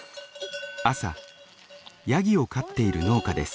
朝ヤギを飼っている農家です。